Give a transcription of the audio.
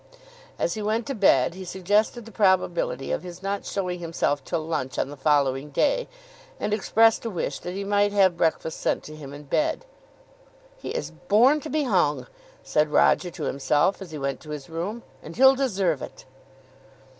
As he went to bed he suggested the probability of his not showing himself till lunch on the following day, and expressed a wish that he might have breakfast sent to him in bed. "He is born to be hung," said Roger to himself as he went to his room, "and he'll deserve it."